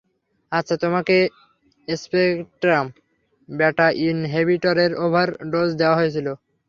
আচ্ছা, তোমাকে স্পেক্ট্রাম ব্যাটা ইনহেভিটরের ওভার ডোজ দেওয়া হয়েছিল।